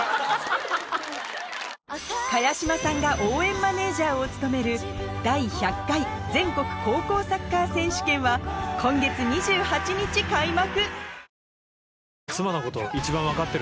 茅島さんが応援マネージャーを務める第１００回全国高校サッカー選手権は今月２８日開幕！